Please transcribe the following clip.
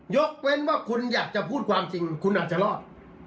ยกเว้นว่าคุณอยากจะพูดความจริงคุณอาจจะรอด